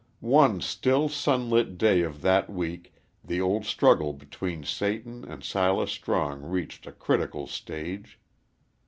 One still, sunlit day of that week the old struggle between Satan and Silas Strong reached a critical stage.